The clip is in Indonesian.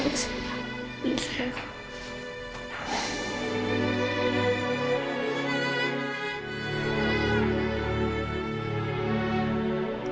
boleh ya sayang